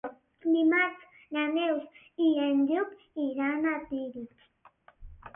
Dimarts na Neus i en Lluc iran a Tírig.